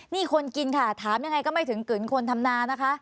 นี่คนกินค่ะถามยังไงก็ไม่ถึงกึนคนทำนานะคะ